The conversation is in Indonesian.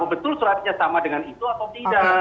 betul suratnya sama dengan itu atau tidak